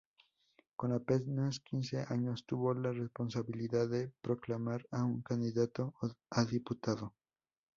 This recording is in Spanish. Con apenas quince años tuvo la responsabilidad de proclamar a un candidato a diputado.